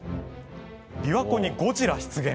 琵琶湖にゴジラ出現？